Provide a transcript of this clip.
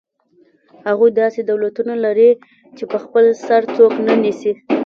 هغوی داسې دولتونه لري چې په خپل سر څوک نه نیسي.